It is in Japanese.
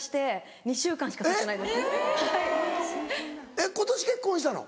えっ今年結婚したの？